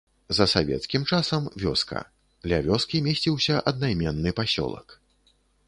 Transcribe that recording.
За савецкім часам вёска, ля вёскі месціўся аднайменны пасёлак.